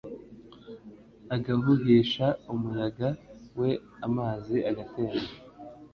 agahuhisha umuyaga we amazi agatemba